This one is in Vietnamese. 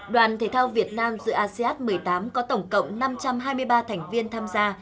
đoàn thể thao việt nam dự asean một mươi tám có tổng cộng năm trăm hai mươi ba thành viên tham gia